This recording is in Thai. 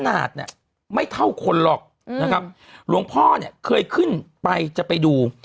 ขนาดเนี่ยไม่เท่าคนหรอกนะครับหลวงพ่อเนี่ยเคยขึ้นไปจะไปดู